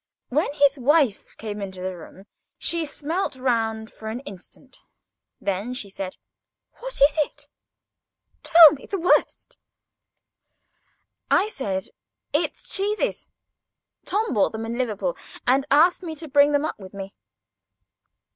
When his wife came into the room she smelt round for an instant. Then she said: "What is it? Tell me the worst." I said: "It's cheeses. Tom bought them in Liverpool, and asked me to bring them up with me."